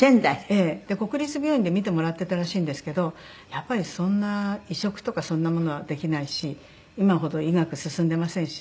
国立病院で診てもらってたらしいんですけどやっぱりそんな移植とかそんなものはできないし今ほど医学進んでませんし。